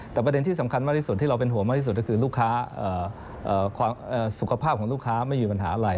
แต่ประเด็นที่สำคัญมากที่สุดที่เราเป็นห่วงมากที่สุดก็คือลูกค้าสุขภาพของลูกค้าไม่มีปัญหาอะไร